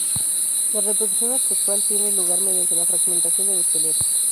La reproducción asexual tiene lugar mediante la fragmentación del esqueleto.